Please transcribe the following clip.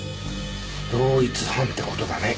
同一犯って事だね。